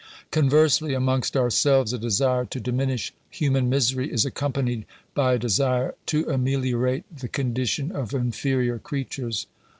Conversely, amongst ourselves a de sire to diminish human misery is accompanied by a desire to ameliorate the condition of inferior creatures.